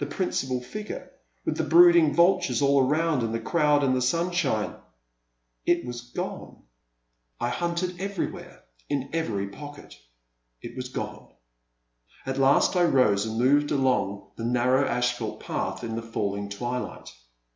principal figure, with the brooding vultures all around and the crowd in the sunshine —? It was gone. A Pleasant Evening. 343 I hunted everywhere, in every pocket. It was gone. At last I rose and moved along the narrow asphalt path in the falling twilight.